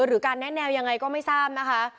หรือการแนะแนวยังไงก็ไม่ทราบนะคะ